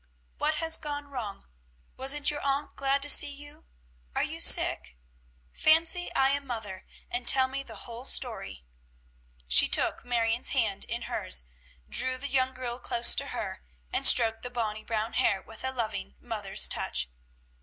"What has gone wrong? Wasn't your aunt glad to see you? Are you sick? Fancy I am mother, and tell me the whole story." She took Marion's hand in hers, drew the young girl close to her, and stroked the bonnie brown hair with a loving mother's touch.